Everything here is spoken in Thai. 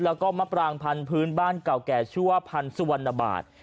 แล้วก็มะปรางพันธุ์พื้นบ้านเก่าแก่ชื่อว่าพันธ์สุวรรณบาท